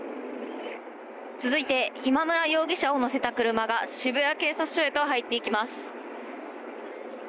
続いて、今村容疑者を乗せた車が渋谷警察署へと入っていきます。